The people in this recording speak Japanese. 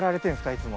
いつも。